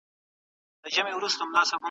د هر چا حق بايد په عدل سره ورکړي.